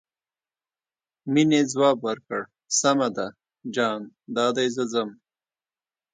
مينې ځواب ورکړ سمه ده جان دادی زه ځم.